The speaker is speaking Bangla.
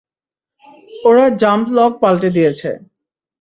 ওরা জাম্প লগ পাল্টে দিয়েছে।